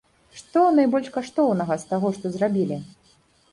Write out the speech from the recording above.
Што найбольш каштоўнага, з таго, што зрабілі?